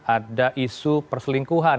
ada isu perselingkuhan